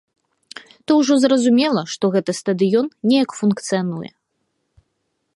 То ўжо зразумела, што гэты стадыён неяк функцыянуе.